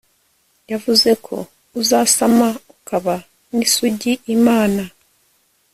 yavuze ko uzasama ukaba n'isugi, imana